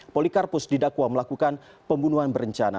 polikarpus didakwa melakukan pembunuhan berencana